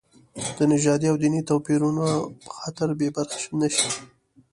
د نژادي او دیني توپیرونو په خاطر بې برخې نه شي.